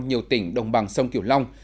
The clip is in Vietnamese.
nhiều tỉnh đồng bằng sông kiều long